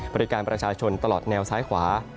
บริการประชาชนตลอดแนวซ้ายขวา